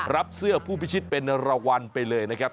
รับเสื้อผู้พิชิตเป็นรางวัลไปเลยนะครับ